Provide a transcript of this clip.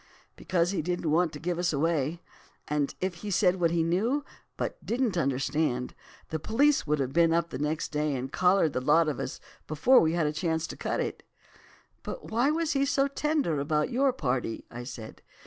"'Because he didn't want to give us away, and if he said what he knew, but didn't understand, the police would have been up next day and collared the lot of us before we had a chance to cut it.' "'But why was he so tender about your party?' I said.